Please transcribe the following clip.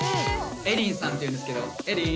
エリンさんっていうんですけどエリン。